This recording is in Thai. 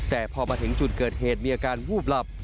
แต่พอมาถึงจุดเกิดเหตุมีอาการวูบหลับ